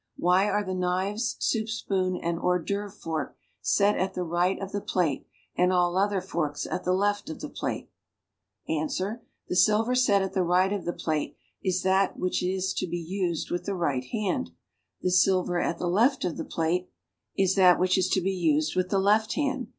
Why are the knives, soup spoon and liors d'oeuvrc fork set at the right of the plate and all other forks at the left of the plate.' Ans. The silver set at the right of the plate is that which is to be used with the right hand, the silver at the left of the plate iS SETTING FOR FORMAL DINNBIR. is that which is to be used with tlie left hand.